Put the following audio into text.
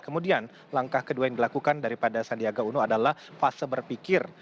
kemudian langkah kedua yang dilakukan daripada sandiaga uno adalah fase berpikir